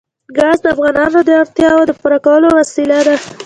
ګاز د افغانانو د اړتیاوو د پوره کولو وسیله ده.